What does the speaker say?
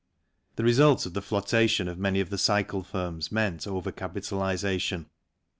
The result of the flotation of many of the cycle firms meant over capitalization.